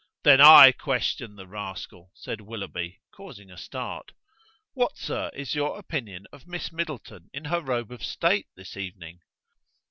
"Then I question the rascal," said Willoughby, causing a start. "What, sir, is your opinion of Miss Middleton in her robe of state this evening?"